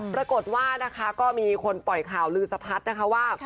ปรากฏว่านะคะก็มีคนปล่อยข่าวลือสะพัดนะคะว่า